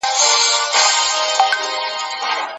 زه ولاړ یم پر ساحل باندي زنګېږم